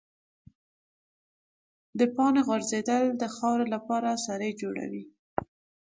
د پاڼو غورځېدل د خاورې لپاره سرې جوړوي.